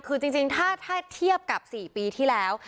คือจริงถ้าเทียบกับ๔ปีที่แล้ว